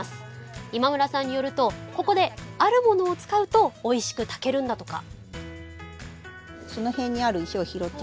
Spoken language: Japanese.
今村さんによるとここであるものを使うとおいしく炊けるんだとか。